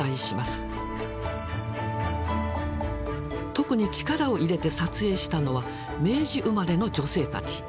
特に力を入れて撮影したのは明治生まれの女性たち。